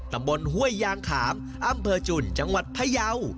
ตำบลห้วยยางขามอำเภอจุ่นจังหวัดพระยาว